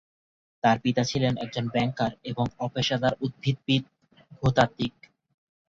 তাঁর পিতা ছিলেন একজন ব্যাংকার এবং অপেশাদার উদ্ভিদবিদ/ভূতাত্ত্বিক।